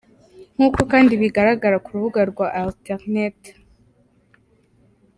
Nk’uko kandi bigaragara ku rubuga rwa alternet.